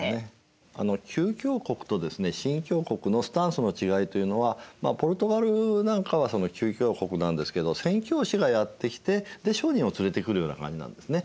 旧教国とですね新教国のスタンスの違いというのはポルトガルなんかはその旧教国なんですけど宣教師がやって来てで商人を連れてくるような感じなんですね。